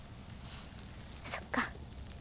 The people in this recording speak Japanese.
そっか。